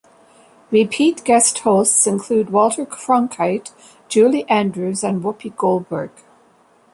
Repeat guest hosts include Walter Cronkite, Julie Andrews and Whoopi Goldberg.